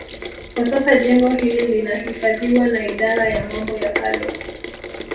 Kwa sasa jengo hili linahifadhiwa na Idara ya Mambo ya Kale